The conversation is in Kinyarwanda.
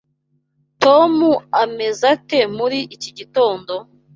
Tom ameze ate muri iki gitondo?